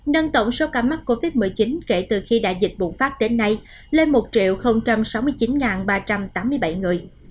nâng tổng số ca mắc covid một mươi chín kể từ khi đại dịch bùng phát đến nay lên một sáu mươi chín ba trăm tám mươi bảy người